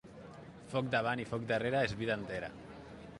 Foc davant i foc darrere és vida entera.